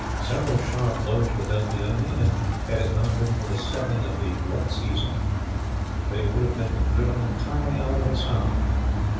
Several sharp blows were dealt the enemy and, had it not been for the setting in of the wet season, they would have been driven entirely out of Assam.